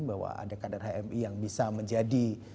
bahwa ada kader hmi yang bisa menjadi